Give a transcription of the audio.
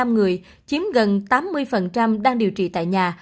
có ba mươi tám sáu trăm tám mươi năm người chiếm gần tám mươi đang điều trị tại nhà